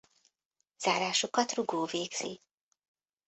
Zárásukat rugó végzi.